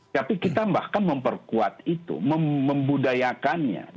tapi kita bahkan memperkuat itu membudayakannya